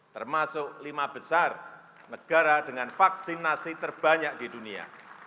termasuk lima besar negara dengan vaksinasi terbanyak di dunia